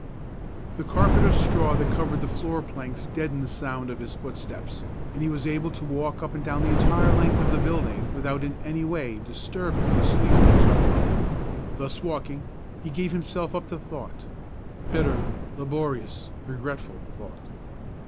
] The carpet of straw that covered the floor planks deadened the sound of his footsteps, and he was able to walk up and down the entire length of the building without in any way disturbing the sleepers on the mow. Thus walking, he gave himself up to thought, bitter, laborious, regretful thought.